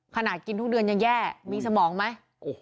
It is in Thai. ขนาดกินทุกเดือนยังแย่มีสมองไหม